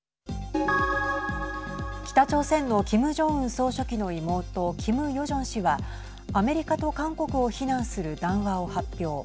北朝鮮のキム・ジョンウン総書記の妹キム・ヨジョン氏がアメリカと韓国を非難する談話を発表。